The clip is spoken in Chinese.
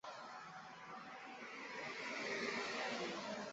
室友大胖告白。